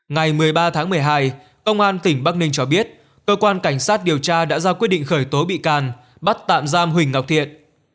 ngày một mươi ba tháng một mươi hai công an tỉnh bắc ninh cho biết cơ quan cảnh sát điều tra đã ra quyết định khởi tố bị can bắt tạm giam huỳnh ngọc thiện